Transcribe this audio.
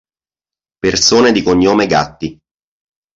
Persone di cognome Gatti